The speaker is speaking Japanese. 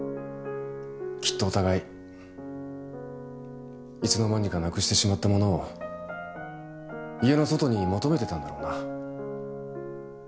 きっとお互いいつの間にかなくしてしまったものを家の外に求めてたんだろうな。